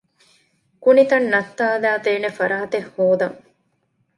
ކުނިތައް ނައްތާލައިދޭނެ ފަރާތެއް ހޯދަން